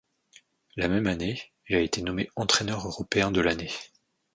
La même année, il a été nommé entraîneur européen de l'année.